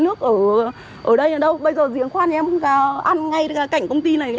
nước ở đây là đâu bây giờ giếng khoan nhà em không có ăn ngay cảnh công ty này